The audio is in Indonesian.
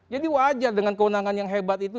jadi wajar dengan keundangan yang hebat itu